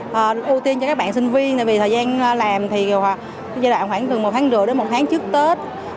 và ưu tiên cho các bạn sinh viên tại vì thời gian làm thì giai đoạn khoảng gần một tháng rưỡi đến một tháng trước tết